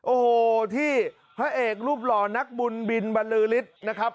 โอ้โหที่พระเอกรูปหล่อนักบุญบินบรรลือฤทธิ์นะครับ